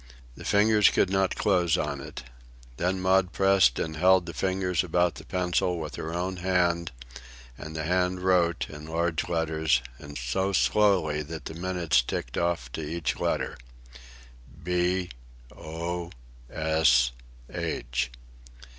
The fingers could not close on it. Then Maud pressed and held the fingers about the pencil with her own hand and the hand wrote, in large letters, and so slowly that the minutes ticked off to each letter: "B O S H."